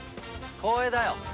光栄だよ。